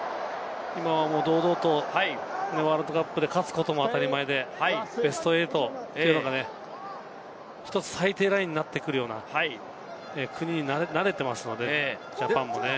今は、もう堂々とワールドカップで勝つことも当たり前で、ベスト８というのが１つ最低ラインになってくるような国になれていますので、ジャパンもね。